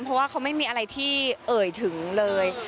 เพราะว่าเขาไม่มีอะไรที่เอ่ยถึงเลย